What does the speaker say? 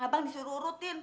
abang disuruh urutin